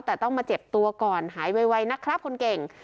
แต่ต้องมาเจ็บตัวก่อนหายไวนะครับคนเก่ง